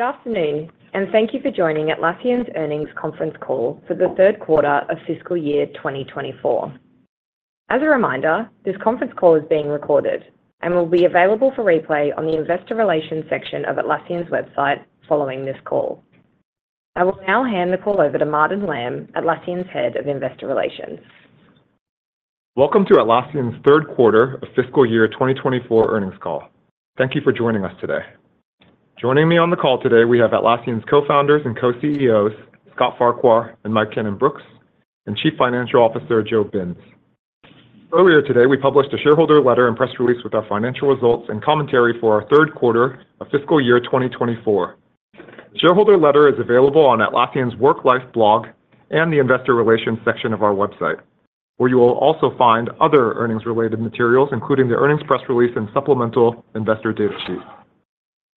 Good afternoon, and thank you for joining Atlassian's earnings conference call for the third quarter of fiscal year 2024. As a reminder, this conference call is being recorded and will be available for replay on the investor relations section of Atlassian's website following this call. I will now hand the call over to Martin Lam, Atlassian's Head of Investor Relations. Welcome to Atlassian's third quarter of fiscal year 2024 earnings call. Thank you for joining us today. Joining me on the call today, we have Atlassian's co-founders and co-CEOs, Scott Farquhar and Mike Cannon-Brookes, and Chief Financial Officer, Joe Binz. Earlier today, we published a shareholder letter and press release with our financial results and commentary for our third quarter of fiscal year 2024. Shareholder letter is available on Atlassian's Work Life blog and the investor relations section of our website, where you will also find other earnings-related materials, including the earnings press release and supplemental investor data sheet.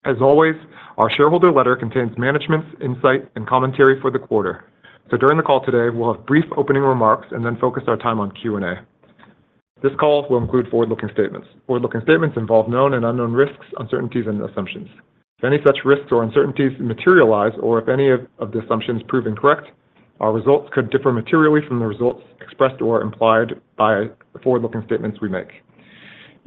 As always, our shareholder letter contains management's insight and commentary for the quarter. So during the call today, we'll have brief opening remarks and then focus our time on Q&A. This call will include forward-looking statements. Forward-looking statements involve known and unknown risks, uncertainties, and assumptions. If any such risks or uncertainties materialize, or if any of the assumptions prove incorrect, our results could differ materially from the results expressed or implied by the forward-looking statements we make.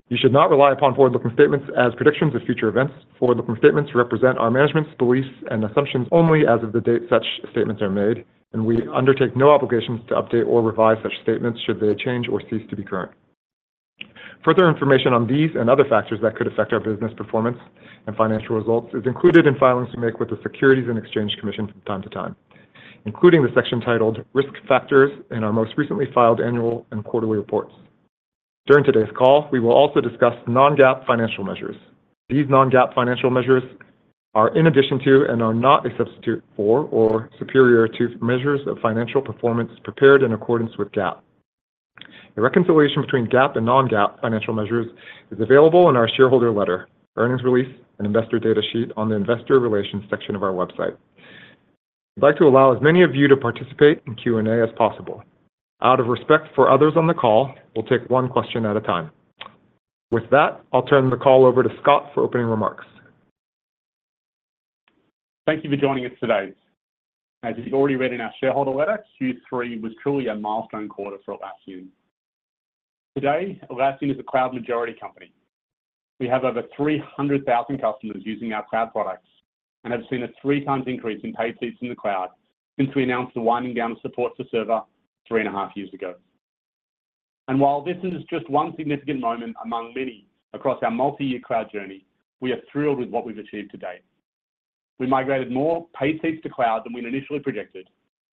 You should not rely upon forward-looking statements as predictions of future events. Forward-looking statements represent our management's beliefs and assumptions only as of the date such statements are made, and we undertake no obligations to update or revise such statements should they change or cease to be current. Further information on these and other factors that could affect our business performance and financial results is included in filings we make with the Securities and Exchange Commission from time to time, including the section titled Risk Factors in our most recently filed annual and quarterly reports. During today's call, we will also discuss non-GAAP financial measures. These non-GAAP financial measures are in addition to and are not a substitute for or superior to measures of financial performance prepared in accordance with GAAP. A reconciliation between GAAP and non-GAAP financial measures is available in our shareholder letter, earnings release, and investor data sheet on the investor relations section of our website. I'd like to allow as many of you to participate in Q&A as possible. Out of respect for others on the call, we'll take one question at a time. With that, I'll turn the call over to Scott for opening remarks. Thank you for joining us today. As you've already read in our shareholder letter, Q3 was truly a milestone quarter for Atlassian. Today, Atlassian is a Cloud majority company. We have over 300,000 customers using our Cloud products and have seen a 3x increase in paid seats in the Cloud since we announced the winding down of support for Server 3.5 years ago. And while this is just one significant moment among many across our multi-year Cloud journey, we are thrilled with what we've achieved to date. We migrated more paid seats to Cloud than we'd initially projected,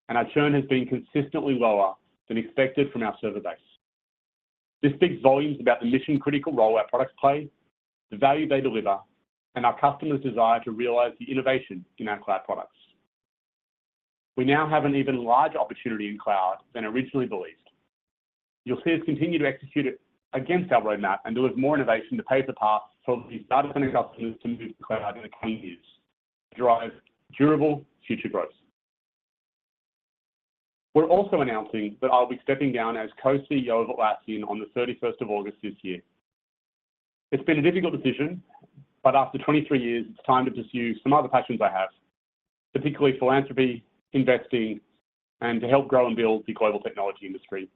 and our churn has been consistently lower than expected from our Server base. This speaks volumes about the mission-critical role our products play, the value they deliver, and our customers' desire to realize the innovation in our Cloud products. We now have an even larger opportunity in Cloud than originally believed. You'll see us continue to execute it against our roadmap and deliver more innovation to pave the path so that we start bringing customers to move to Cloud in the coming years, drive durable future growth. We're also announcing that I'll be stepping down as co-CEO of Atlassian on the 31st of August this year. It's been a difficult decision, but after 23 years, it's time to pursue some other passions I have, particularly philanthropy, investing, and to help grow and build the global technology industry.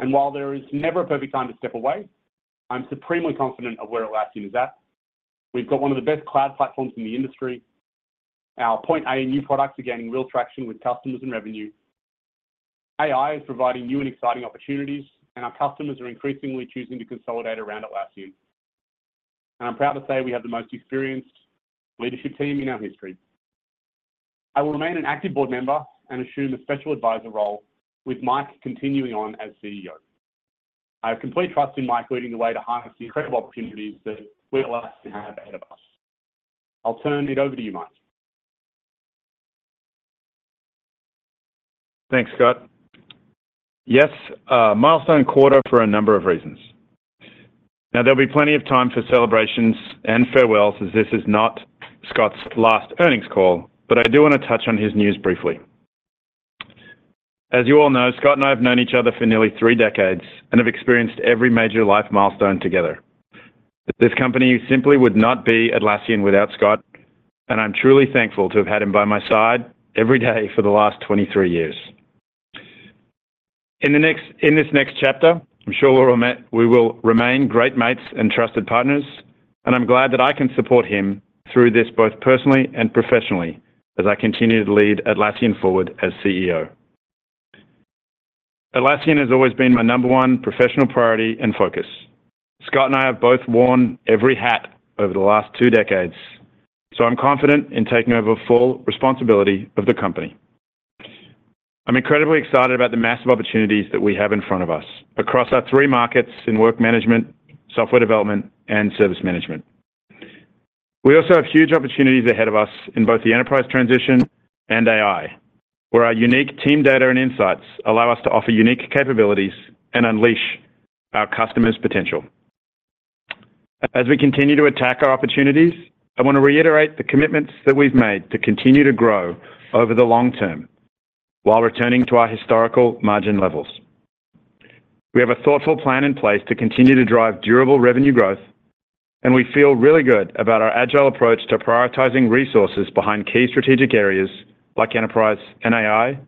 While there is never a perfect time to step away, I'm supremely confident of where Atlassian is at. We've got one of the best Cloud platforms in the industry. Our Point A and new products are gaining real traction with customers and revenue. AI is providing new and exciting opportunities, and our customers are increasingly choosing to consolidate around Atlassian. I'm proud to say we have the most experienced leadership team in our history. I will remain an active board member and assume a special advisor role, with Mike continuing on as CEO. I have complete trust in Mike leading the way to harness the incredible opportunities that we Atlassian have ahead of us. I'll turn it over to you, Mike. Thanks, Scott. Yes, milestone quarter for a number of reasons. Now, there'll be plenty of time for celebrations and farewells, as this is not Scott's last earnings call, but I do wanna touch on his news briefly. As you all know, Scott and I have known each other for nearly three decades and have experienced every major life milestone together. This company simply would not be Atlassian without Scott, and I'm truly thankful to have had him by my side every day for the last 23 years. In this next chapter, I'm sure we will remain great mates and trusted partners, and I'm glad that I can support him through this, both personally and professionally, as I continue to lead Atlassian forward as CEO. Atlassian has always been my number one professional priority and focus. Scott and I have both worn every hat over the last two decades, so I'm confident in taking over full responsibility of the company. I'm incredibly excited about the massive opportunities that we have in front of us across our three markets in work management, software development, and service management. We also have huge opportunities ahead of us in both the enterprise transition and AI, where our unique team data and insights allow us to offer unique capabilities and unleash our customers' potential. As we continue to attack our opportunities, I wanna reiterate the commitments that we've made to continue to grow over the long term while returning to our historical margin levels.... We have a thoughtful plan in place to continue to drive durable revenue growth, and we feel really good about our agile approach to prioritizing resources behind key strategic areas like enterprise and AI,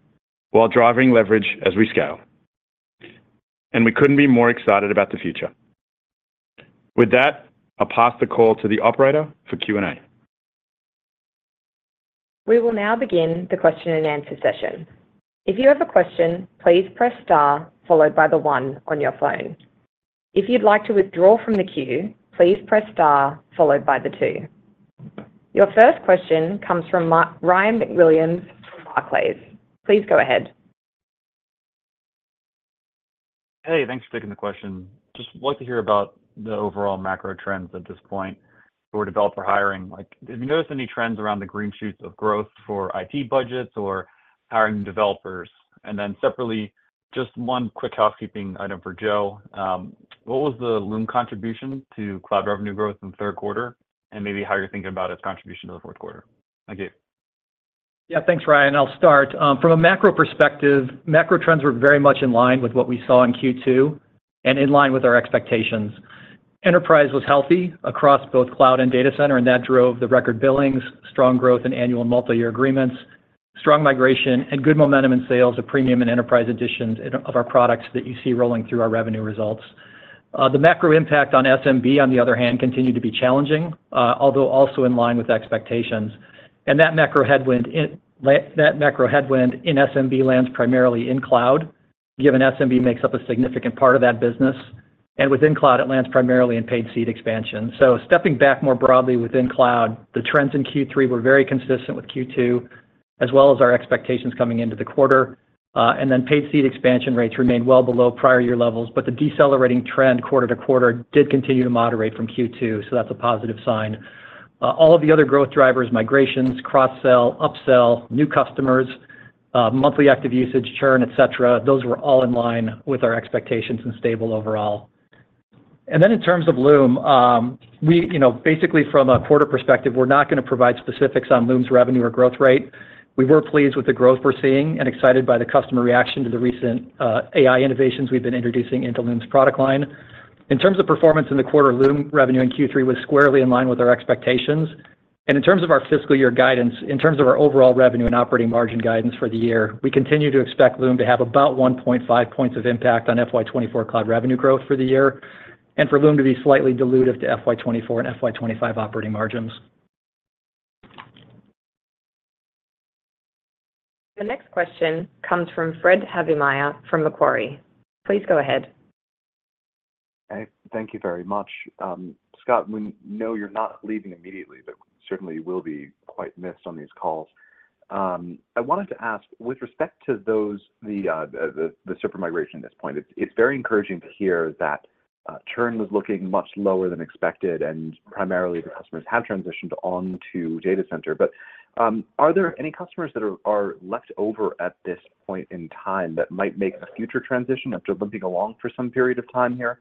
while driving leverage as we scale. We couldn't be more excited about the future. With that, I'll pass the call to the operator for Q&A. We will now begin the question and answer session. If you have a question, please press star followed by the one on your phone. If you'd like to withdraw from the queue, please press star followed by the two. Your first question comes from Ryan MacWilliams from Barclays. Please go ahead. Hey, thanks for taking the question. Just want to hear about the overall macro trends at this point for developer hiring. Like, did you notice any trends around the green shoots of growth for IT budgets or hiring developers? Then separately, just one quick housekeeping item for Joe. What was the Loom contribution to Cloud revenue growth in the third quarter, and maybe how you're thinking about its contribution to the fourth quarter? Thank you. Yeah, thanks, Ryan. I'll start. From a macro perspective, macro trends were very much in line with what we saw in Q2 and in line with our expectations. Enterprise was healthy across both Cloud and Data Center, and that drove the record billings, strong growth in annual and multi-year agreements, strong migration, and good momentum in sales of premium and enterprise editions in, of our products that you see rolling through our revenue results. The macro impact on SMB, on the other hand, continued to be challenging, although also in line with expectations. That macro headwind in SMB lands primarily in Cloud, given SMB makes up a significant part of that business, and within Cloud, it lands primarily in paid seat expansion. Stepping back more broadly within Cloud, the trends in Q3 were very consistent with Q2, as well as our expectations coming into the quarter. Then paid seat expansion rates remained well below prior year levels, but the decelerating trend quarter-to-quarter did continue to moderate from Q2, so that's a positive sign. All of the other growth drivers, migrations, cross-sell, up-sell, new customers, monthly active usage, churn, etc, those were all in line with our expectations and stable overall. Then in terms of Loom, we, you know, basically from a quarter perspective, we're not going to provide specifics on Loom's revenue or growth rate. We were pleased with the growth we're seeing and excited by the customer reaction to the recent AI innovations we've been introducing into Loom's product line. In terms of performance in the quarter, Loom revenue in Q3 was squarely in line with our expectations. In terms of our fiscal year guidance, in terms of our overall revenue and operating margin guidance for the year, we continue to expect Loom to have about 1.5 points of impact on FY 2024 Cloud revenue growth for the year, and for Loom to be slightly dilutive to FY 2024 and FY 2025 operating margins. The next question comes from Fred Havemeyer from Macquarie. Please go ahead. Hey, thank you very much. Scott, we know you're not leaving immediately, but certainly will be quite missed on these calls. I wanted to ask, with respect to those, the server migration at this point, it's very encouraging to hear that, churn was looking much lower than expected, and primarily the customers have transitioned on to Data Center. But, are there any customers that are left over at this point in time that might make a future transition after limping along for some period of time here?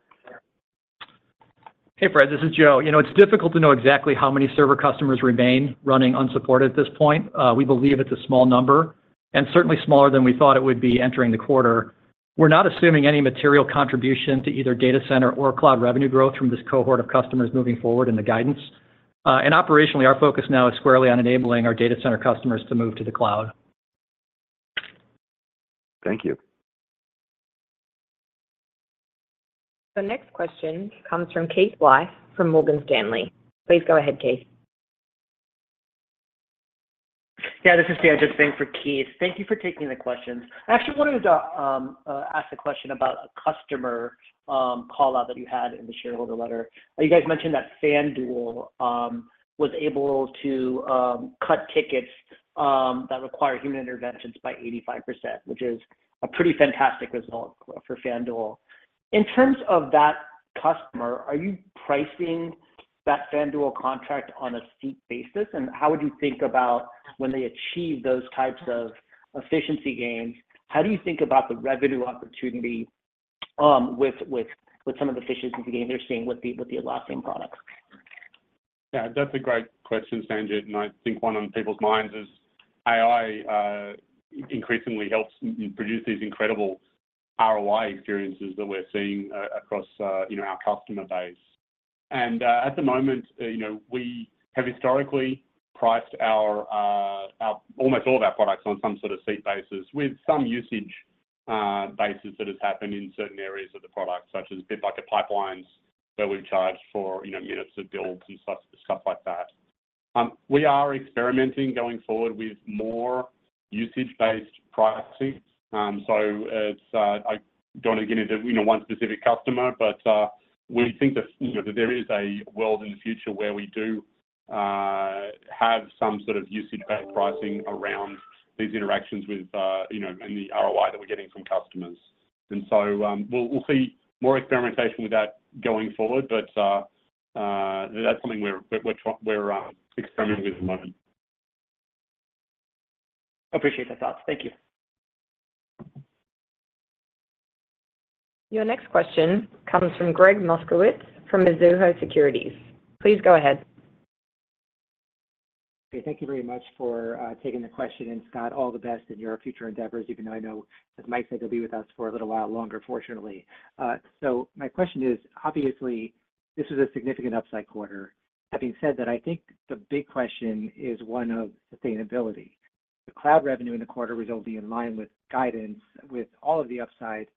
Hey, Fred, this is Joe. You know, it's difficult to know exactly how many Server customers remain running unsupported at this point. We believe it's a small number, and certainly smaller than we thought it would be entering the quarter. We're not assuming any material contribution to either Data Center or Cloud revenue growth from this cohort of customers moving forward in the guidance. And operationally, our focus now is squarely on enabling our Data Center customers to move to the Cloud. Thank you. The next question comes from Keith Weiss from Morgan Stanley. Please go ahead, Keith. Yeah, this is Sanjit, thanks for Keith. Thank you for taking the question. I actually wanted to ask a question about a customer call-out that you had in the shareholder letter. You guys mentioned that FanDuel was able to cut tickets that require human interventions by 85%, which is a pretty fantastic result for FanDuel. In terms of that customer, are you pricing that FanDuel contract on a seat basis? And how would you think about when they achieve those types of efficiency gains, how do you think about the revenue opportunity with some of the efficiency gains you're seeing with the Atlassian products? Yeah, that's a great question, Sanjit, and I think one on people's minds as AI increasingly helps produce these incredible ROI experiences that we're seeing across, you know, our customer base. And at the moment, you know, we have historically priced our almost all of our products on some sort of seat basis, with some usage basis that has happened in certain areas of the product, such as Bitbucket Pipelines, where we've charged for, you know, minutes of builds and stuff, stuff like that. We are experimenting going forward with more usage-based pricing. So, as I don't want to get into, you know, one specific customer, but we think that, you know, there is a world in the future where we do have some sort of usage-based pricing around these interactions with, you know, and the ROI that we're getting from customers. And so, we'll see more experimentation with that going forward, but that's something we're experimenting with at the moment. Appreciate the thoughts. Thank you. Your next question comes from Gregg Moskowitz from Mizuho Securities. Please go ahead. ... Okay, thank you very much for taking the question, and Scott, all the best in your future endeavors, even though I know, as Mike said, you'll be with us for a little while longer, fortunately. So my question is, obviously, this is a significant upside quarter. Having said that, I think the big question is one of sustainability. The Cloud revenue in the quarter was only in line with guidance, with all of the upside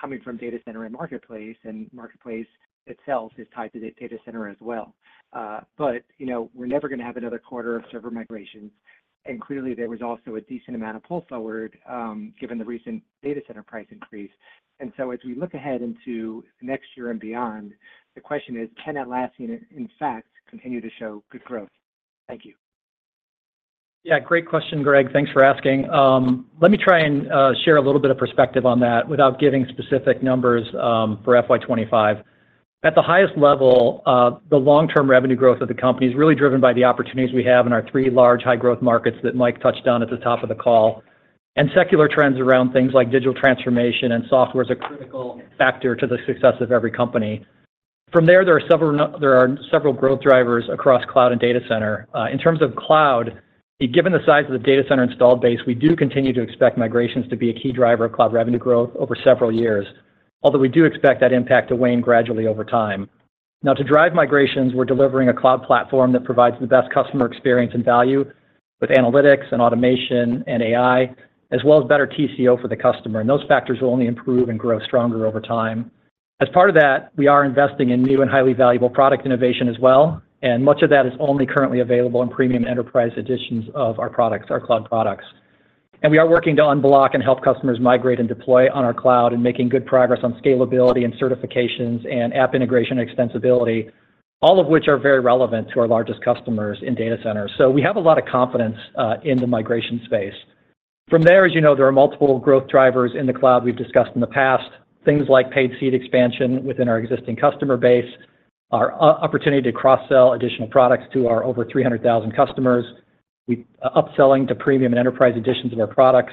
coming from data center and marketplace, and marketplace itself is tied to the data center as well. But, you know, we're never gonna have another quarter of server migrations, and clearly, there was also a decent amount of pull forward, given the recent data center price increase. And so as we look ahead into next year and beyond, the question is: Can Atlassian, in fact, continue to show good growth? Thank you. Yeah, great question, Gregg. Thanks for asking. Let me try and share a little bit of perspective on that without giving specific numbers for FY 2025. At the highest level, the long-term revenue growth of the company is really driven by the opportunities we have in our three large high-growth markets that Mike touched on at the top of the call, and secular trends around things like digital transformation, and software is a critical factor to the success of every company. From there, there are several growth drivers across Cloud and Data Center. In terms of Cloud, given the size of the Data Center installed base, we do continue to expect migrations to be a key driver of Cloud revenue growth over several years, although we do expect that impact to wane gradually over time. Now, to drive migrations, we're delivering a Cloud platform that provides the best customer experience and value with analytics and automation and AI, as well as better TCO for the customer, and those factors will only improve and grow stronger over time. As part of that, we are investing in new and highly valuable product innovation as well, and much of that is only currently available in premium enterprise editions of our products, our Cloud products. We are working to unblock and help customers migrate and deploy on our Cloud and making good progress on scalability and certifications and app integration extensibility, all of which are very relevant to our largest customers in data centers. So we have a lot of confidence in the migration space. From there, as you know, there are multiple growth drivers in the Cloud we've discussed in the past. Things like paid seat expansion within our existing customer base, our opportunity to cross-sell additional products to our over 300,000 customers, upselling to premium and enterprise editions of our products,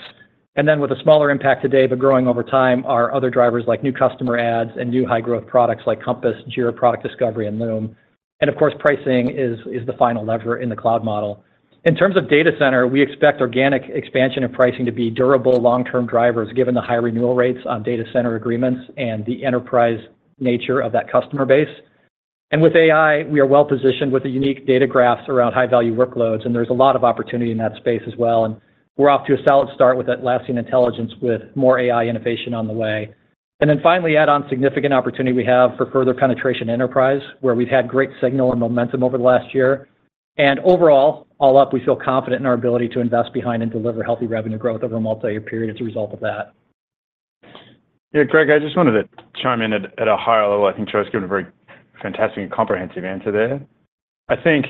and then with a smaller impact today, but growing over time, are other drivers like new customer adds and new high-growth products like Compass, Jira Product Discovery, and Loom. And of course, pricing is the final lever in the Cloud model. In terms of Data Center, we expect organic expansion and pricing to be durable long-term drivers, given the high renewal rates on Data Center agreements and the enterprise nature of that customer base. And with AI, we are well-positioned with the unique data graphs around high-value workloads, and there's a lot of opportunity in that space as well, and we're off to a solid start with Atlassian Intelligence, with more AI innovation on the way. And then finally, add on significant opportunity we have for further penetration enterprise, where we've had great signal and momentum over the last year. And overall, all up, we feel confident in our ability to invest behind and deliver healthy revenue growth over a multi-year period as a result of that. Yeah, Greg, I just wanted to chime in at a higher level. I think Troy's given a very fantastic and comprehensive answer there. I think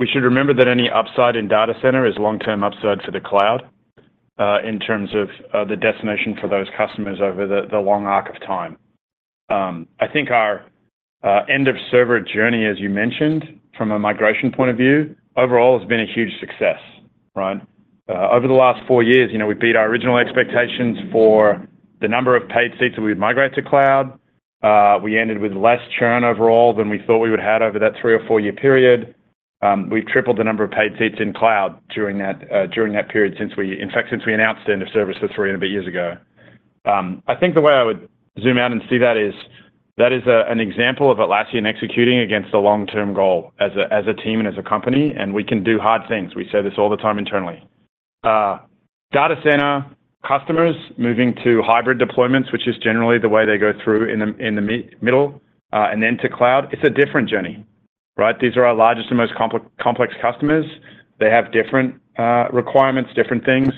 we should remember that any upside in Data Center is long-term upside to the Cloud, in terms of the destination for those customers over the long arc of time. I think our end-of-Server journey, as you mentioned, from a migration point of view, overall has been a huge success, right? Over the last four years, you know, we beat our original expectations for the number of paid seats that we've migrated to Cloud. We ended with less churn overall than we thought we would have over that three- or four-year period. We've tripled the number of paid seats in Cloud during that period since we... In fact, since we announced the end of service three and a bit years ago. I think the way I would zoom out and see that is, that is, an example of Atlassian executing against a long-term goal as a, as a team and as a company, and we can do hard things. We say this all the time internally. Data Center customers moving to hybrid deployments, which is generally the way they go through in the, in the middle, and then to Cloud, it's a different journey, right? These are our largest and most complex customers. They have different requirements, different things,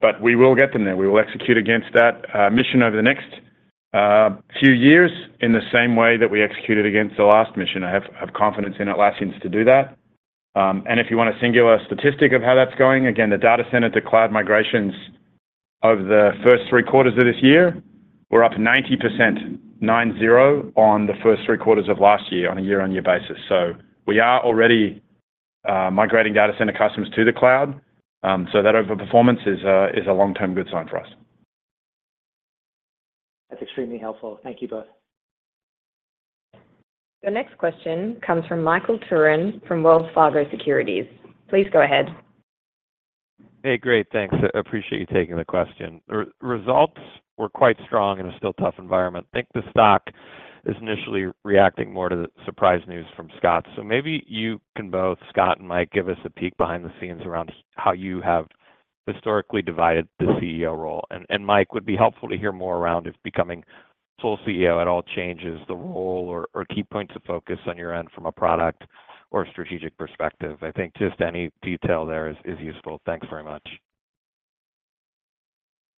but we will get them there. We will execute against that mission over the next few years in the same way that we executed against the last mission. I have, have confidence in Atlassian to do that. If you want a singular statistic of how that's going, again, the Data Center to Cloud migrations over the first three quarters of this year were up 90%, nine zero, on the first three quarters of last year on a year-on-year basis. We are already migrating Data Center customers to the Cloud. That overperformance is a long-term good sign for us. That's extremely helpful. Thank you both. The next question comes from Michael Turrin from Wells Fargo Securities. Please go ahead. Hey, great. Thanks. I appreciate you taking the question. Results were quite strong in a still tough environment. I think the stock is initially reacting more to the surprise news from Scott. So maybe you can both, Scott and Mike, give us a peek behind the scenes around how you have historically divided the CEO role. And Mike, would be helpful to hear more around if becoming sole CEO at all changes the role or key points of focus on your end from a product or strategic perspective. I think just any detail there is useful. Thanks very much.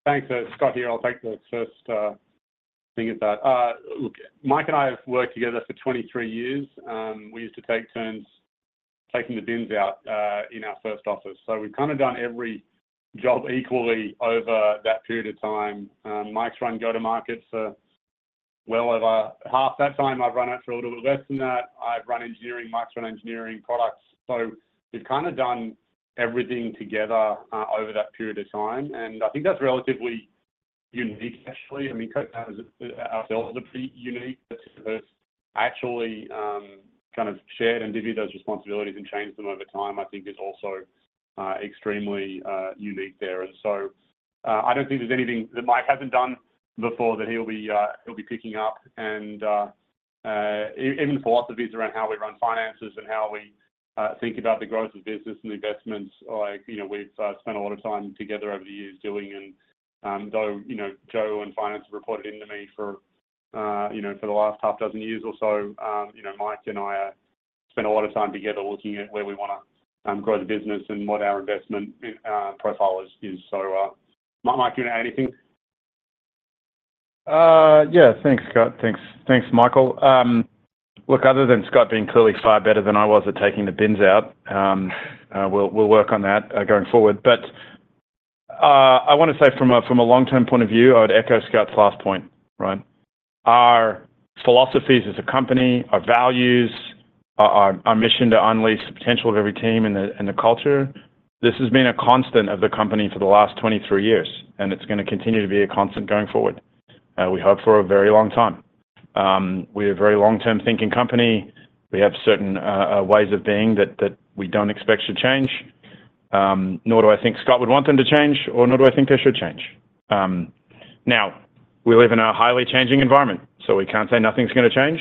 Thanks. Scott here. I'll take the first thing at that. Look, Mike and I have worked together for 23 years. We used to take turns taking the bins out in our first office. So we've kind of done every job equally over that period of time. Mike's run go-to-markets for well over half that time. I've run it for a little bit less than that. I've run engineering, Mike's run engineering products. So we've kind of done everything together over that period of time, and I think that's relatively-... unique, actually. I mean, Co-CEOs ourselves unique, but to actually kind of shared and divvy those responsibilities and change them over time, I think is also extremely unique there. And so, I don't think there's anything that Mike hasn't done before that he'll be picking up. And even philosophies around how we run finances and how we think about the growth of business and investments, like, you know, we've spent a lot of time together over the years doing. And though, you know, Joe and finance reported into me for you know, for the last half dozen years or so, you know, Mike and I have spent a lot of time together looking at where we wanna grow the business and what our investment profile is. Mike, do you want to add anything? Yeah. Thanks, Scott. Thanks, Michael. Look, other than Scott being clearly far better than I was at taking the bins out, we'll work on that going forward. But I wanna say from a long-term point of view, I would echo Scott's last point, right? Our philosophies as a company, our values, our mission to unleash the potential of every team and the culture, this has been a constant of the company for the last 23 years, and it's gonna continue to be a constant going forward, we hope for a very long time. We're a very long-term thinking company. We have certain ways of being that we don't expect to change, nor do I think Scott would want them to change, or nor do I think they should change. Now, we live in a highly changing environment, so we can't say nothing's gonna change.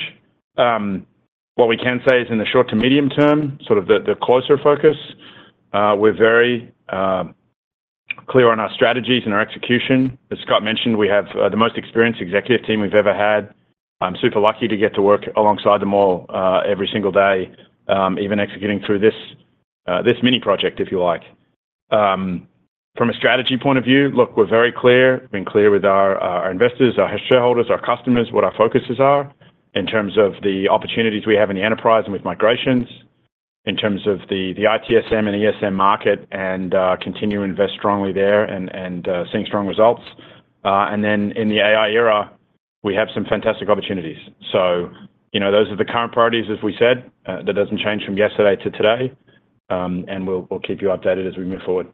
What we can say is in the short to medium term, sort of the closer focus, we're very clear on our strategies and our execution. As Scott mentioned, we have the most experienced executive team we've ever had. I'm super lucky to get to work alongside them all, every single day, even executing through this mini project, if you like. From a strategy point of view, look, we're very clear, been clear with our investors, our shareholders, our customers, what our focuses are in terms of the opportunities we have in the enterprise and with migrations, in terms of the ITSM and ESM market, and continue to invest strongly there and seeing strong results. And then in the AI era, we have some fantastic opportunities. So, you know, those are the current priorities, as we said. That doesn't change from yesterday to today, and we'll keep you updated as we move forward.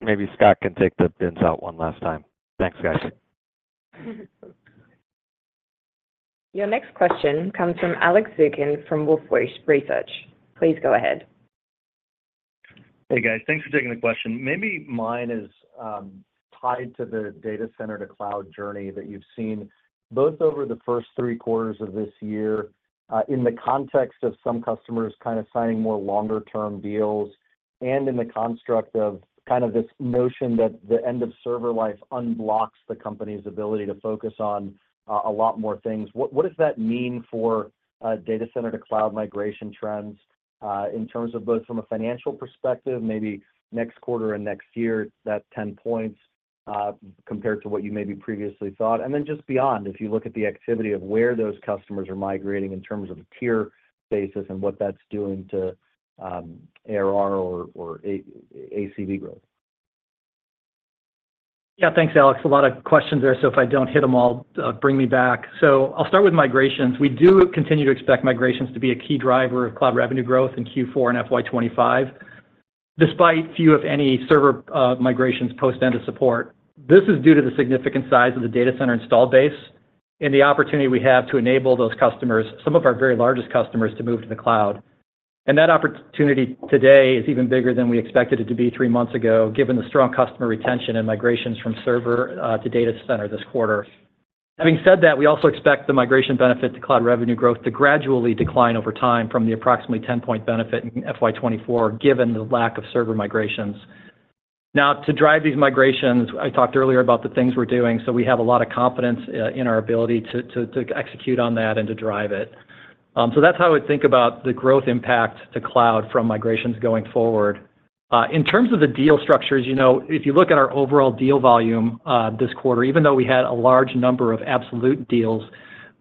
Maybe Scott can take the bins out one last time. Thanks, guys. Your next question comes from Alex Zukin from Wolfe Research. Please go ahead. Hey, guys. Thanks for taking the question. Maybe mine is tied to the Data Center to Cloud journey that you've seen, both over the first three quarters of this year, in the context of some customers kind of signing more longer-term deals, and in the construct of kind of this notion that the end of Server life unblocks the company's ability to focus on a lot more things. What does that mean for Data Center to Cloud migration trends, in terms of both from a financial perspective, maybe next quarter and next year, that 10 points compared to what you maybe previously thought, and then just beyond, if you look at the activity of where those customers are migrating in terms of a tier basis and what that's doing to ARR or ACV growth? Yeah, thanks, Alex. A lot of questions there, so if I don't hit them all, bring me back. I'll start with migrations. We do continue to expect migrations to be a key driver of Cloud revenue growth in Q4 and FY 2025, despite few, if any, server migrations post-end of support. This is due to the significant size of the data center installed base and the opportunity we have to enable those customers, some of our very largest customers, to move to the Cloud. That opportunity today is even bigger than we expected it to be three months ago, given the strong customer retention and migrations from server to data center this quarter. Having said that, we also expect the migration benefit to Cloud revenue growth to gradually decline over time from the approximately 10-point benefit in FY 2024, given the lack of server migrations. Now, to drive these migrations, I talked earlier about the things we're doing, so we have a lot of confidence in our ability to execute on that and to drive it. So that's how I would think about the growth impact to Cloud from migrations going forward. In terms of the deal structures, you know, if you look at our overall deal volume this quarter, even though we had a large number of absolute deals,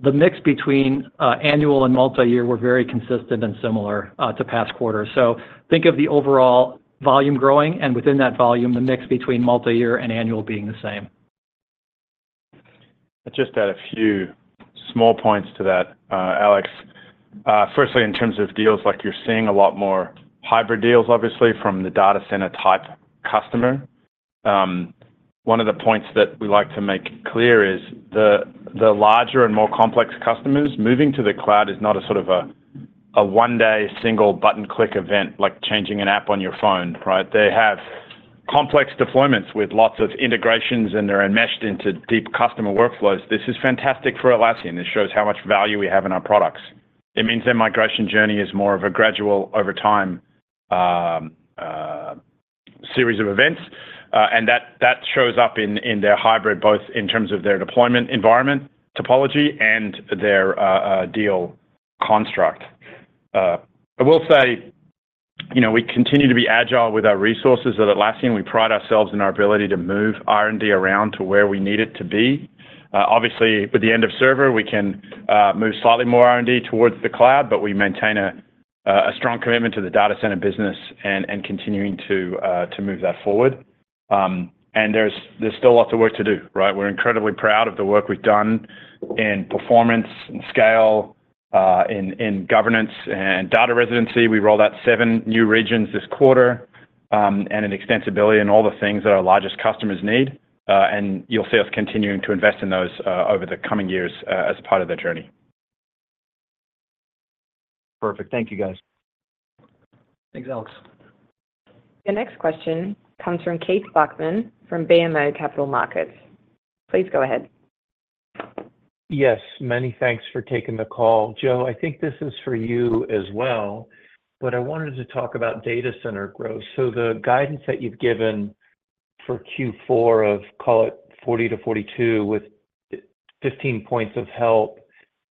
the mix between annual and multi-year were very consistent and similar to past quarters. So think of the overall volume growing, and within that volume, the mix between multi-year and annual being the same. I'll just add a few small points to that, Alex. First, in terms of deals, like you're seeing a lot more hybrid deals, obviously, from the data center-type customer. One of the points that we like to make clear is the larger and more complex customers, moving to the Cloud is not a sort of a one-day single button click event, like changing an app on your phone, right? They have complex deployments with lots of integrations, and they're enmeshed into deep customer workflows. This is fantastic for Atlassian. This shows how much value we have in our products. It means their migration journey is more of a gradual over time series of events, and that shows up in their hybrid, both in terms of their deployment environment topology and their deal construct. I will say, you know, we continue to be agile with our resources at Atlassian. We pride ourselves in our ability to move R&D around to where we need it to be. Obviously, with the end of Server, we can move slightly more R&D towards the Cloud, but we maintain a strong commitment to the Data Center business and continuing to move that forward. And there's still lots of work to do, right? We're incredibly proud of the work we've done in performance and scale in governance and data residency. We rolled out seven new regions this quarter, and an extensibility and all the things that our largest customers need, and you'll see us continuing to invest in those over the coming years as part of the journey. Perfect. Thank you, guys. Thanks, Alex. The next question comes from Keith Bachman from BMO Capital Markets. Please go ahead. Yes, many thanks for taking the call. Joe, I think this is for you as well, but I wanted to talk about Data Center growth. So the guidance that you've given for Q4 of, call it 40-42 with 15 points of help,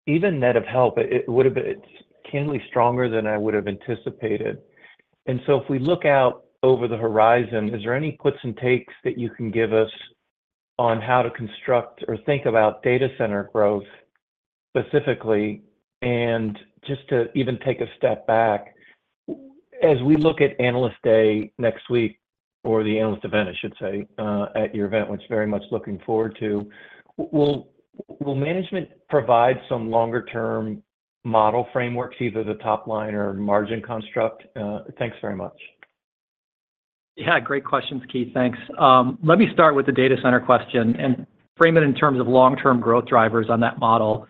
even net of help, it would have been keenly stronger than I would have anticipated. And so if we look out over the horizon, is there any puts and takes that you can give us on how to construct or think about Data Center growth specifically? And just to even take a step back, as we look at Analyst Day next week, or the analyst event, I should say, at your event, which very much looking forward to, will management provide some longer term model frameworks, either the top line or margin construct? Thanks very much. Yeah, great questions, Keith. Thanks. Let me start with the Data Center question and frame it in terms of long-term growth drivers on that model.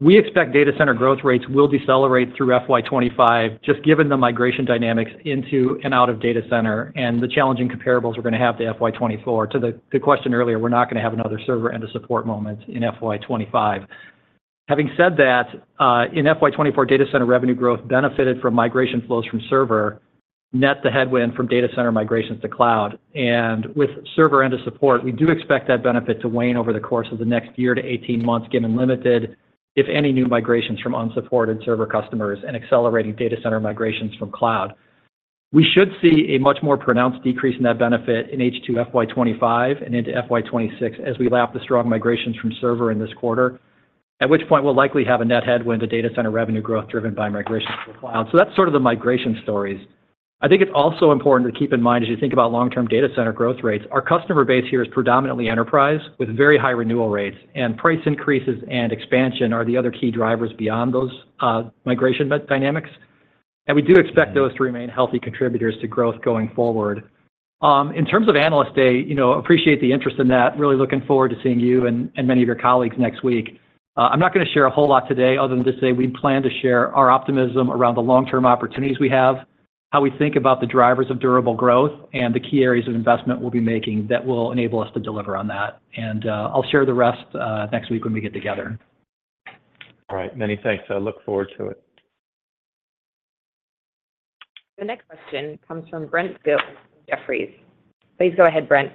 We expect Data Center growth rates will decelerate through FY 2025, just given the migration dynamics into and out of Data Center, and the challenging comparables we're going to have to FY 2024. To the question earlier, we're not going to have another Server end-of-support moment in FY 2025. Having said that, in FY 2024, Data Center revenue growth benefited from migration flows from Server, net the headwind from Data Center migrations to Cloud. And with Server end-of-support, we do expect that benefit to wane over the course of the next year to 18 months, given limited, if any, new migrations from unsupported Server customers and accelerating Data Center migrations from Cloud. We should see a much more pronounced decrease in that benefit in H2 FY 2025 and into FY 2026 as we lap the strong migrations from Server in this quarter, at which point we'll likely have a net headwind to Data Center revenue growth driven by migration to the Cloud. So that's sort of the migration stories. I think it's also important to keep in mind as you think about long-term Data Center growth rates, our customer base here is predominantly enterprise with very high renewal rates, and price increases and expansion are the other key drivers beyond those, migration dynamics, and we do expect those to remain healthy contributors to growth going forward. In terms of Analyst Day, you know, appreciate the interest in that. Really looking forward to seeing you and, and many of your colleagues next week. I'm not going to share a whole lot today other than to say we plan to share our optimism around the long-term opportunities we have, how we think about the drivers of durable growth, and the key areas of investment we'll be making that will enable us to deliver on that. I'll share the rest next week when we get together. All right, many thanks. I look forward to it. The next question comes from Brent Thill from Jefferies. Please go ahead, Brent.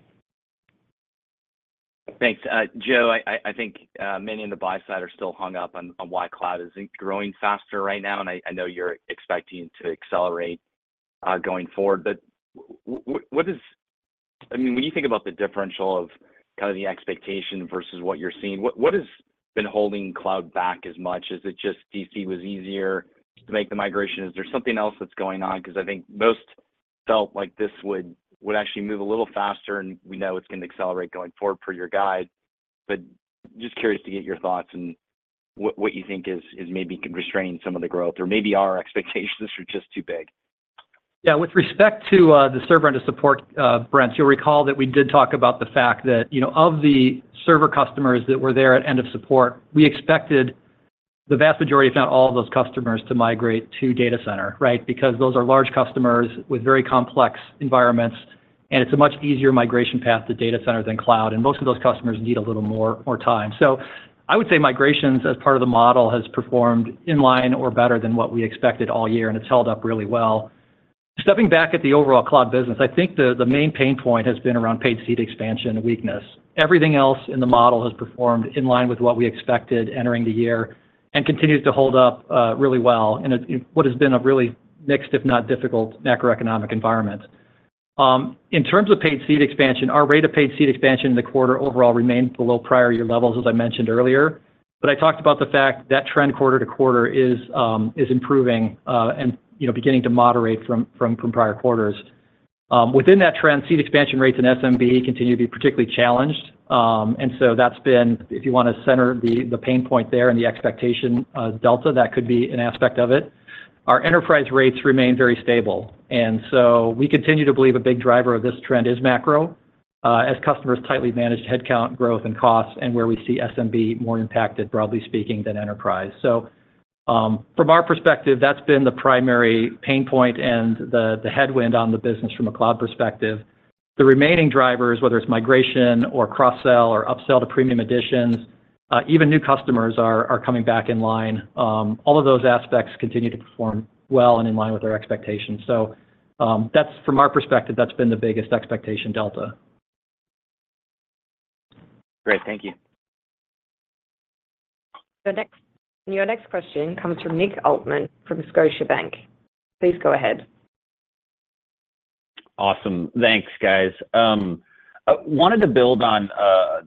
Thanks. Joe, I think many in the buy side are still hung up on why Cloud isn't growing faster right now, and I know you're expecting to accelerate going forward, but what is... I mean, when you think about the differential of kind of the expectation versus what you're seeing, what has been holding Cloud back as much? Is it just DC was easier to make the migration? Is there something else that's going on? Because I think most felt like this would actually move a little faster, and we know it's going to accelerate going forward per your guide. But just curious to get your thoughts and what you think is maybe restraining some of the growth, or maybe our expectations are just too big. Yeah. With respect to the Server end-of-support, Brent, you'll recall that we did talk about the fact that, you know, of the Server customers that were there at end of support, we expected the vast majority, if not all, of those customers to migrate to Data Center, right? Because those are large customers with very complex environments, and it's a much easier migration path to Data Center than Cloud, and most of those customers need a little more time. So I would say migrations, as part of the model, has performed in line or better than what we expected all year, and it's held up really well. Stepping back at the overall Cloud business, I think the main pain point has been around paid seat expansion weakness. Everything else in the model has performed in line with what we expected entering the year and continues to hold up really well in what has been a really mixed, if not difficult, macroeconomic environment. In terms of paid seat expansion, our rate of paid seat expansion in the quarter overall remained below prior year levels, as I mentioned earlier, but I talked about the fact that trend quarter-to-quarter is improving, and you know, beginning to moderate from prior quarters. Within that trend, seat expansion rates in SMB continue to be particularly challenged. And so that's been, if you want to center the pain point there and the expectation delta, that could be an aspect of it. Our enterprise rates remain very stable, and so we continue to believe a big driver of this trend is macro, as customers tightly manage headcount growth and costs, and where we see SMB more impacted, broadly speaking, than enterprise. So, from our perspective, that's been the primary pain point and the headwind on the business from a cloud perspective. The remaining drivers, whether it's migration or cross-sell or upsell to premium editions, even new customers are coming back in line. All of those aspects continue to perform well and in line with our expectations. So, that's from our perspective, that's been the biggest expectation delta. Great. Thank you. Your next question comes from Nick Altmann from Scotiabank. Please go ahead. Awesome. Thanks, guys. I wanted to build on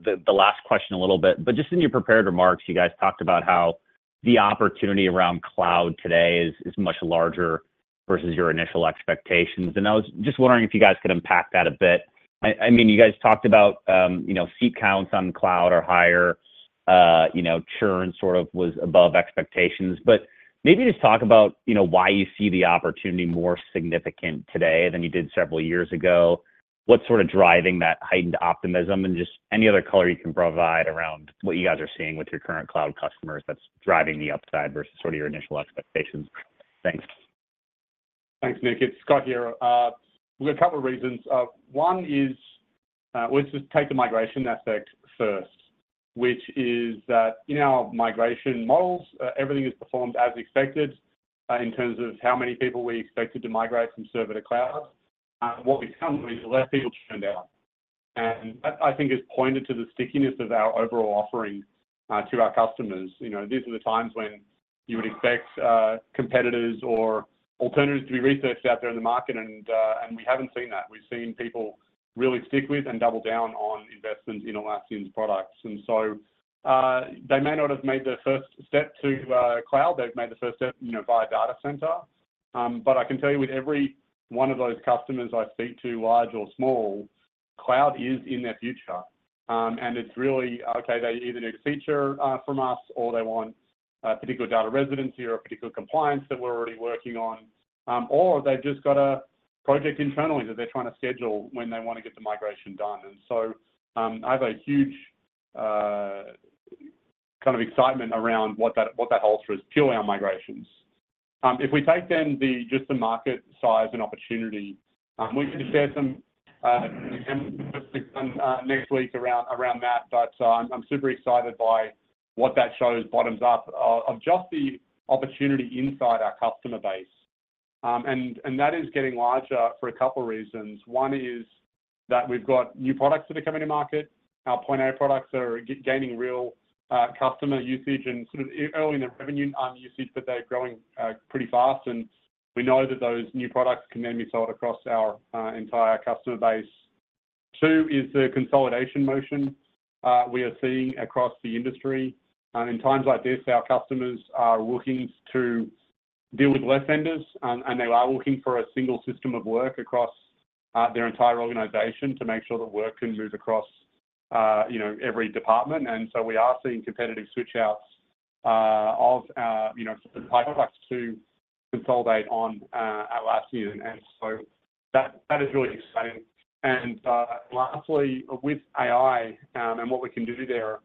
the last question a little bit, but just in your prepared remarks, you guys talked about how the opportunity around Cloud today is much larger versus your initial expectations, and I was just wondering if you guys could unpack that a bit. I mean, you guys talked about, you know, seat counts on Cloud are higher, you know, churn sort of was above expectations. But maybe just talk about, you know, why you see the opportunity more significant today than you did several years ago. What's sort of driving that heightened optimism? And just any other color you can provide around what you guys are seeing with your current Cloud customers that's driving the upside versus sort of your initial expectations. Thanks. Thanks, Nick. It's Scott here. We've got a couple of reasons. One is, let's just take the migration aspect first, which is that in our migration models, everything is performed as expected, in terms of how many people we expected to migrate from Server to Cloud. What we've found is less people churned out, and that, I think, is pointed to the stickiness of our overall offering, to our customers. You know, these are the times when you would expect, competitors or alternatives to be researched out there in the market, and, and we haven't seen that. We've seen people really stick with and double down on investments in Atlassian's products. And so, they may not have made their first step to, Cloud. They've made the first step, you know, via data center. But I can tell you with every one of those customers I speak to, large or small, Cloud is in their future. And it's really they either need a feature from us, or they want a particular data residency or a particular compliance that we're already working on, or they've just got a project internally that they're trying to schedule when they want to get the migration done. And so I have a huge kind of excitement around what that holds for us to our migrations. If we take then the market size and opportunity, we shared some next week around that. But so I'm super excited by what that shows bottoms up of just the opportunity inside our customer base. And that is getting larger for a couple reasons. One is that we've got new products that are coming to market. Our Point A products are gaining real customer usage and sort of early in the revenue usage, but they're growing pretty fast, and we know that those new products can then be sold across our entire customer base. Two is the consolidation motion we are seeing across the industry. In times like this, our customers are looking to deal with less vendors, and they are looking for a single system of work across their entire organization to make sure that work can move across you know every department. And so we are seeing competitive switch outs of our you know products to consolidate on Atlassian, and so that is really exciting. And, lastly, with AI, and what we can do there,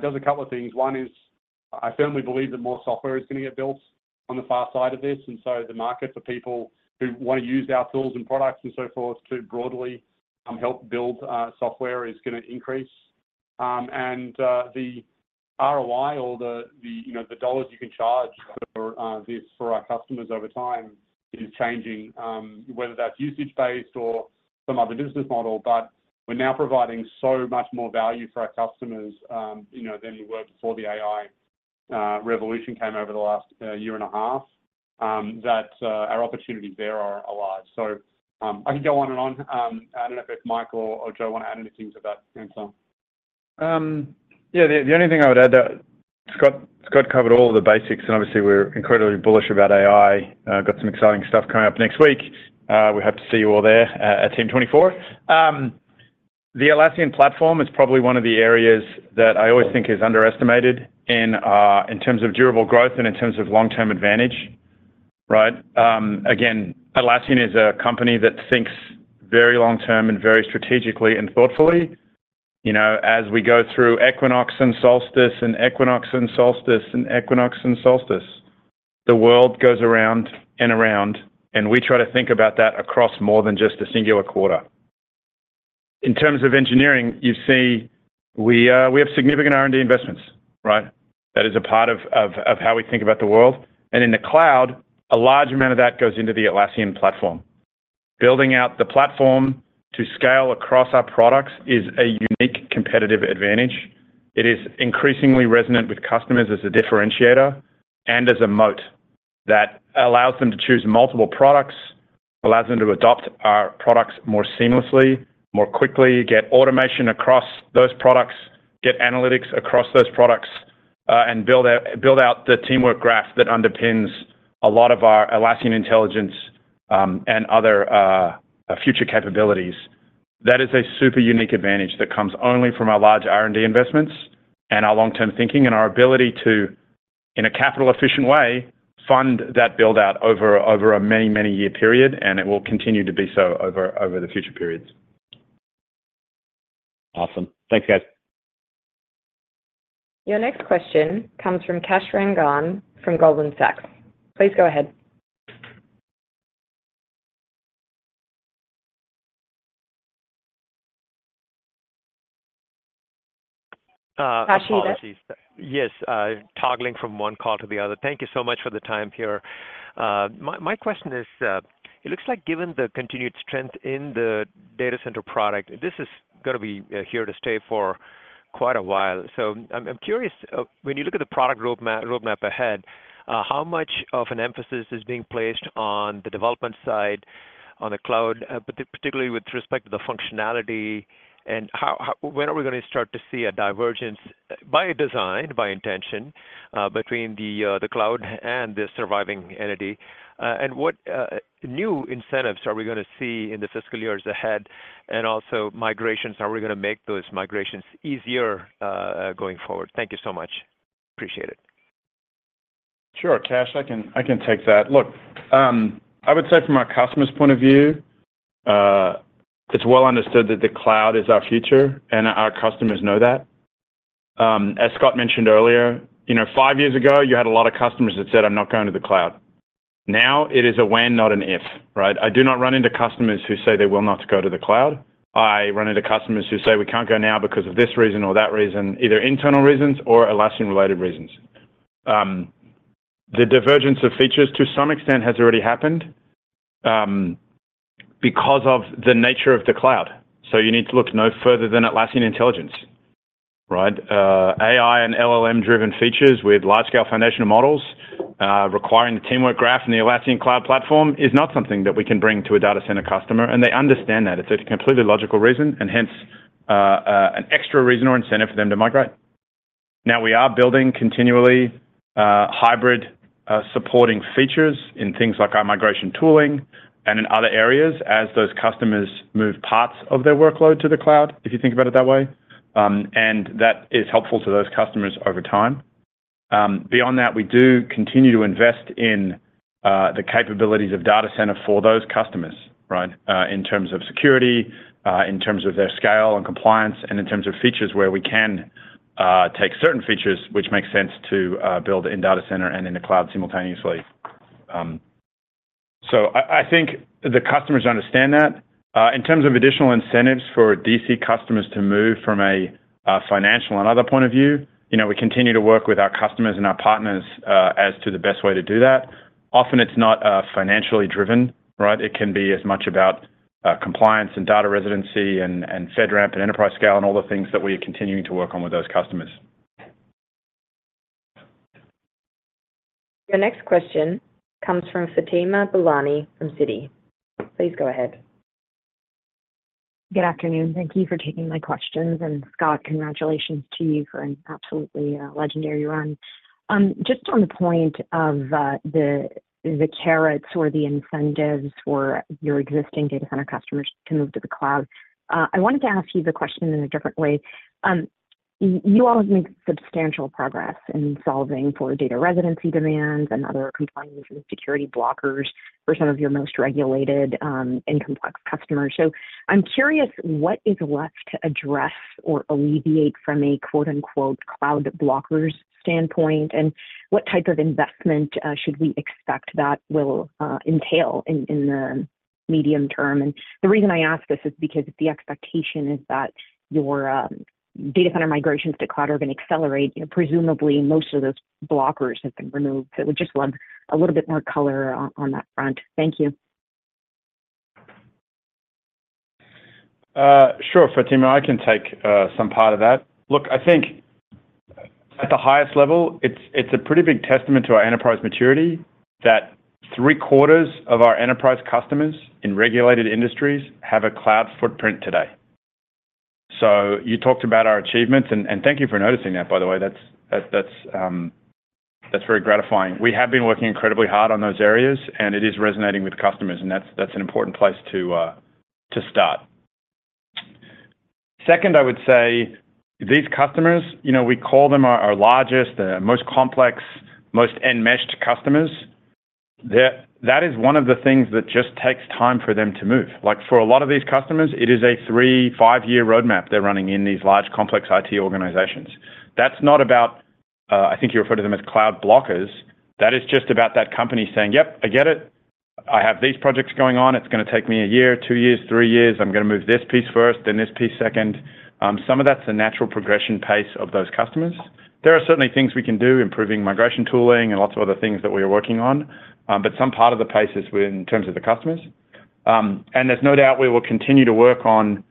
does a couple of things. One is, I firmly believe that more software is going to get built on the far side of this, and so the market for people who want to use our tools and products and so forth to broadly, help build, software is going to increase. The ROI or the, the, you know, the dollars you can charge for, this for our customers over time is changing, whether that's usage-based or some other business model. But we're now providing so much more value for our customers, you know, than we were before the AI, revolution came over the last, year and a half, that, our opportunities there are a lot. So, I can go on and on. I don't know if Mike or Joe want to add anything to that answer. Yeah, the only thing I would add that Scott covered all the basics, and obviously we're incredibly bullish about AI. Got some exciting stuff coming up next week. We hope to see you all there at Team '24. The Atlassian platform is probably one of the areas that I always think is underestimated in terms of durable growth and in terms of long-term advantage, right? Again, Atlassian is a company that thinks very long-term and very strategically and thoughtfully. You know, as we go through equinox and solstice, and equinox and solstice, and equinox and solstice, the world goes around and around, and we try to think about that across more than just a singular quarter. In terms of engineering, you see, we have significant R&D investments, right? That is a part of how we think about the world. And in the Cloud, a large amount of that goes into the Atlassian platform. Building out the platform to scale across our products is a unique competitive advantage. It is increasingly resonant with customers as a differentiator and as a moat that allows them to choose multiple products, allows them to adopt our products more seamlessly, more quickly, get automation across those products, get analytics across those products, and build out the teamwork graph that underpins a lot of our Atlassian Intelligence, and other future capabilities. That is a super unique advantage that comes only from our large R&D investments and our long-term thinking and our ability to, in a capital-efficient way, fund that build-out over, over a many, many year period, and it will continue to be so over, over the future periods. Awesome. Thanks, guys. Your next question comes from Kash Rangan from Goldman Sachs. Please go ahead. Kash, you there? Yes, toggling from one call to the other. Thank you so much for the time here. My question is, it looks like given the continued strength in the Data Center product, this is going to be here to stay for quite a while. So I'm curious, when you look at the product roadmap ahead, how much of an emphasis is being placed on the development side? On the Cloud, but particularly with respect to the functionality and how, when are we going to start to see a divergence by design, by intention, between the Cloud and the surviving entity? And what new incentives are we going to see in the fiscal years ahead, and also migrations? How are we going to make those migrations easier going forward? Thank you so much. Appreciate it. Sure, Kash, I can, I can take that. Look, I would say from our customer's point of view, it's well understood that the Cloud is our future, and our customers know that. As Scott mentioned earlier, you know, five years ago, you had a lot of customers that said, "I'm not going to the Cloud." Now it is a when, not an if, right? I do not run into customers who say they will not go to the Cloud. I run into customers who say, "We can't go now because of this reason or that reason," either internal reasons or Atlassian-related reasons. The divergence of features to some extent has already happened, because of the nature of the Cloud. So you need to look no further than Atlassian Intelligence, right? AI and LLM-driven features with large scale foundational models, requiring the teamwork graph in the Atlassian Cloud platform is not something that we can bring to a Data Center customer, and they understand that. It's a completely logical reason, and hence, an extra reason or incentive for them to migrate. Now, we are building continually hybrid supporting features in things like our migration tooling and in other areas as those customers move parts of their workload to the Cloud, if you think about it that way, and that is helpful to those customers over time. Beyond that, we do continue to invest in the capabilities of Data Center for those customers, right? In terms of security, in terms of their scale and compliance, and in terms of features, where we can take certain features which make sense to build in data center and in the Cloud simultaneously. So I think the customers understand that. In terms of additional incentives for DC customers to move from a financial and other point of view, you know, we continue to work with our customers and our partners as to the best way to do that. Often it's not financially driven, right? It can be as much about compliance and data residency and FedRAMP and enterprise scale, and all the things that we are continuing to work on with those customers. Your next question comes from Fatima Boolani from Citi. Please go ahead. Good afternoon. Thank you for taking my questions, and Scott, congratulations to you for an absolutely legendary run. Just on the point of the carrots or the incentives for your existing data center customers to move to the Cloud, I wanted to ask you the question in a different way. You all have made substantial progress in solving for data residency demands and other compliance and security blockers for some of your most regulated and complex customers. So I'm curious, what is left to address or alleviate from a quote, unquote, "cloud blockers" standpoint? And what type of investment should we expect that will entail in the medium term? The reason I ask this is because the expectation is that your data center migrations to Cloud are going to accelerate, and presumably, most of those blockers have been removed. So I would just love a little bit more color on that front. Thank you. Sure, Fatima, I can take some part of that. Look, I think at the highest level, it's a pretty big testament to our enterprise maturity that three-quarters of our enterprise customers in regulated industries have a Cloud footprint today. So you talked about our achievements, and thank you for noticing that, by the way. That's very gratifying. We have been working incredibly hard on those areas, and it is resonating with customers, and that's an important place to start. Second, I would say these customers, you know, we call them our largest, most complex, most enmeshed customers. That is one of the things that just takes time for them to move. Like, for a lot of these customers, it is a three, five-year roadmap they're running in these large, complex IT organizations. That's not about, I think you refer to them as cloud blockers. That is just about that company saying, "Yep, I get it. I have these projects going on. It's going to take me a year, two years, three years. I'm going to move this piece first, then this piece second." Some of that's the natural progression pace of those customers. There are certainly things we can do, improving migration tooling and lots of other things that we are working on. But some part of the pace is within terms of the customers. And there's no doubt we will continue to work on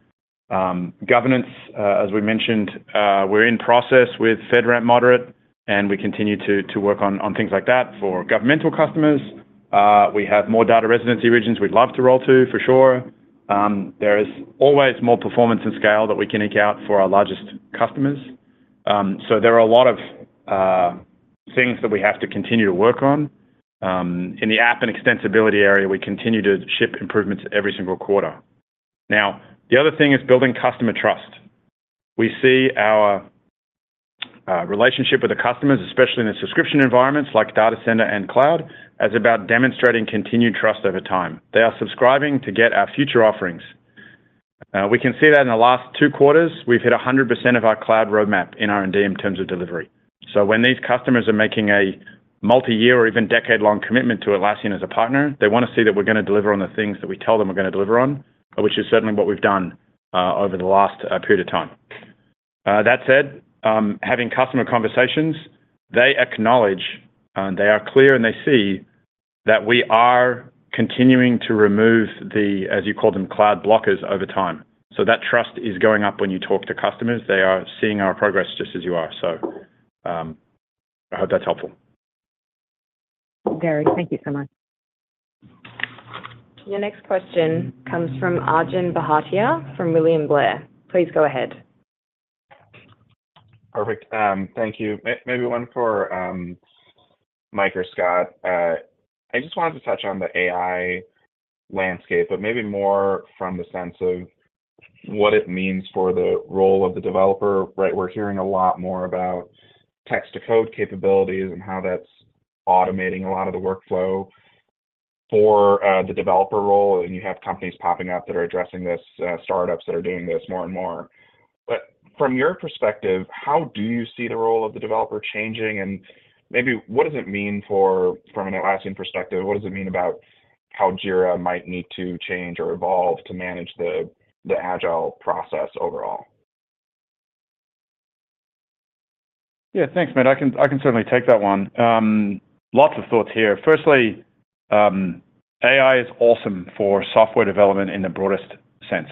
governance. As we mentioned, we're in process with FedRAMP Moderate, and we continue to work on things like that for governmental customers. We have more data residency regions we'd love to roll to, for sure. There is always more performance and scale that we can eke out for our largest customers. So there are a lot of things that we have to continue to work on. In the app and extensibility area, we continue to ship improvements every single quarter. Now, the other thing is building customer trust. We see our relationship with the customers, especially in the subscription environments like Data Center and Cloud, as about demonstrating continued trust over time. They are subscribing to get our future offerings. We can see that in the last two quarters, we've hit 100% of our Cloud roadmap in R&D in terms of delivery. So when these customers are making a multi-year or even decade-long commitment to Atlassian as a partner, they want to see that we're going to deliver on the things that we tell them we're going to deliver on, which is certainly what we've done over the last period of time. That said, having customer conversations, they acknowledge they are clear, and they see that we are continuing to remove the, as you call them, cloud blockers over time. So that trust is going up when you talk to customers. They are seeing our progress just as you are. So, I hope that's helpful. ... Very, thank you so much. Your next question comes from Arjun Bhatia from William Blair. Please go ahead. Perfect. Thank you. Maybe one for Mike or Scott. I just wanted to touch on the AI landscape, but maybe more from the sense of what it means for the role of the developer, right? We're hearing a lot more about text-to-code capabilities and how that's automating a lot of the workflow for the developer role, and you have companies popping up that are addressing this, startups that are doing this more and more. But from your perspective, how do you see the role of the developer changing? And maybe what does it mean for, from an Atlassian perspective, what does it mean about how Jira might need to change or evolve to manage the Agile process overall? Yeah, thanks, mate. I can certainly take that one. Lots of thoughts here. Firstly, AI is awesome for software development in the broadest sense,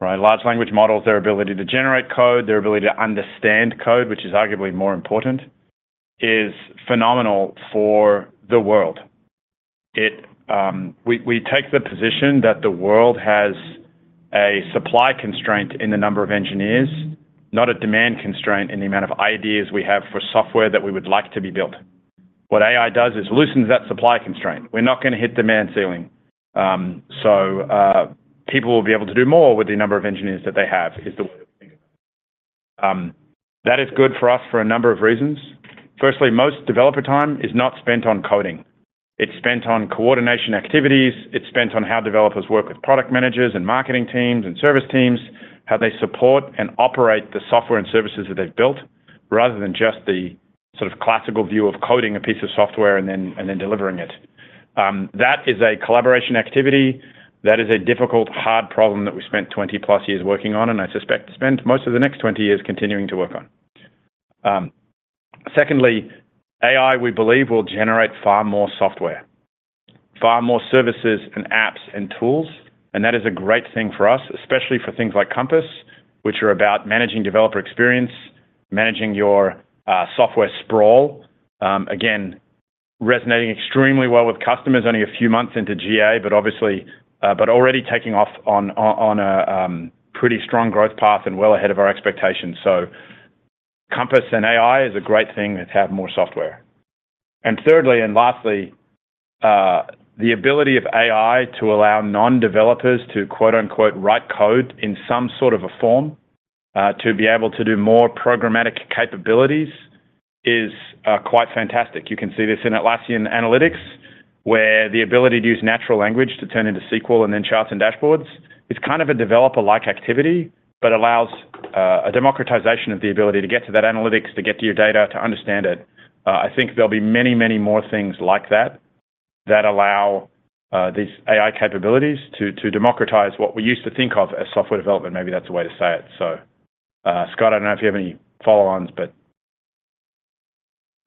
right? Large language models, their ability to generate code, their ability to understand code, which is arguably more important, is phenomenal for the world. We take the position that the world has a supply constraint in the number of engineers, not a demand constraint in the amount of ideas we have for software that we would like to be built. What AI does is loosens that supply constraint. We're not gonna hit demand ceiling. So, people will be able to do more with the number of engineers that they have, is the way to think of it. That is good for us for a number of reasons. Firstly, most developer time is not spent on coding. It's spent on coordination activities, it's spent on how developers work with product managers and marketing teams and service teams, how they support and operate the software and services that they've built, rather than just the sort of classical view of coding a piece of software and then delivering it. That is a collaboration activity. That is a difficult, hard problem that we spent 20+ years working on, and I suspect spend most of the next 20 years continuing to work on. Secondly, AI, we believe, will generate far more software, far more services and apps and tools, and that is a great thing for us, especially for things like Compass, which are about managing developer experience, managing your software sprawl. Again, resonating extremely well with customers, only a few months into GA, but obviously... But already taking off on a pretty strong growth path and well ahead of our expectations. So Compass and AI is a great thing to have more software. And thirdly, and lastly, the ability of AI to allow non-developers to, quote-unquote, "write code" in some sort of a form to be able to do more programmatic capabilities is quite fantastic. You can see this in Atlassian Analytics, where the ability to use natural language to turn into SQL and then charts and dashboards is kind of a developer-like activity, but allows a democratization of the ability to get to that analytics, to get to your data, to understand it. I think there'll be many, many more things like that, that allow these AI capabilities to democratize what we used to think of as software development. Maybe that's the way to say it. So, Scott, I don't know if you have any follow-ons, but...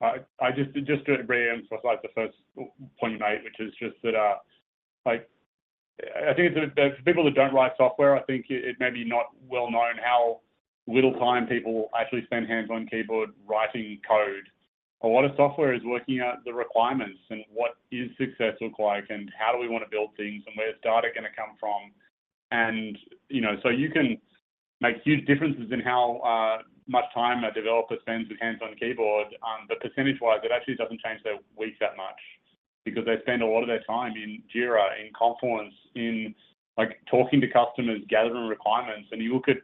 I just to reemphasize the first point you made, which is just that, like, I think for the people that don't write software, I think it may be not well known how little time people actually spend hands-on-keyboard writing code. A lot of software is working out the requirements, and what does success look like, and how do we want to build things, and where's data gonna come from? And, you know, so you can make huge differences in how much time a developer spends with hands on keyboard, but percentage-wise, it actually doesn't change their week that much because they spend a lot of their time in Jira, in Confluence, in, like, talking to customers, gathering requirements. You look at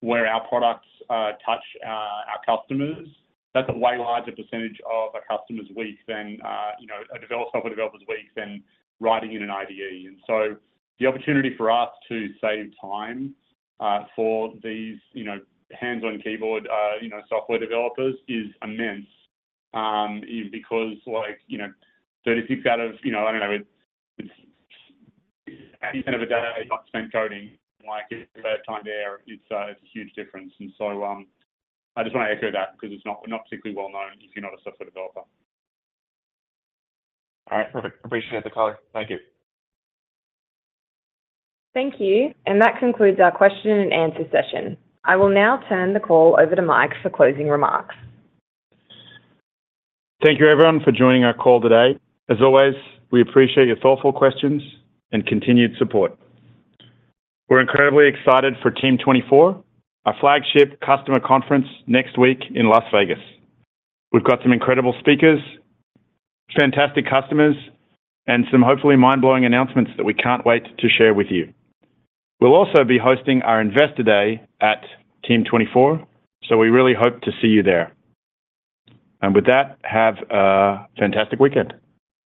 where our products touch our customers, that's a way larger percentage of a customer's week than, you know, a developer, software developer's week than writing in an IDE. So the opportunity for us to save time for these, you know, hands-on-keyboard, you know, software developers is immense, because like, you know, 36 out of, you know, I don't know, day not spent coding, like, their time there, it's, it's a huge difference. So, I just want to echo that because it's not, not particularly well known if you're not a software developer. All right, perfect. Appreciate the color. Thank you. Thank you, and that concludes our question and answer session. I will now turn the call over to Mike for closing remarks. Thank you, everyone, for joining our call today. As always, we appreciate your thoughtful questions and continued support. We're incredibly excited for Team '24, our flagship customer conference next week in Las Vegas. We've got some incredible speakers, fantastic customers, and some hopefully mind-blowing announcements that we can't wait to share with you. We'll also be hosting our Investor Day at Team '24, so we really hope to see you there. With that, have a fantastic weekend.